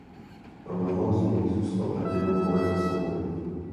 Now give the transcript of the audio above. Pro mnoho z nich zůstal hrdinou boje za svobodu.